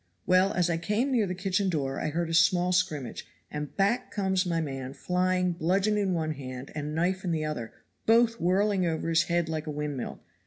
Well, as I came near the kitchen door I heard a small scrimmage, and back comes my man flying bludgeon in one hand and knife in the other, both whirling over his head like a windmill.